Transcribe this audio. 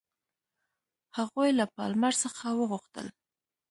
هغوی له پالمر څخه وغوښتل.